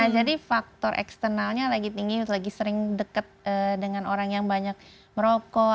jadi faktor eksternalnya lagi tinggi lagi sering dekat dengan orang yang banyak merokok